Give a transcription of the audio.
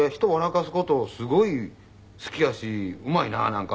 かす事すごい好きやしうまいななんか」。